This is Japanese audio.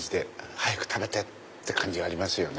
早く食べて！って感じありますね。